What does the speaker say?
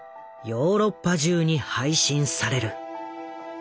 ヨーロッパ中に配信される。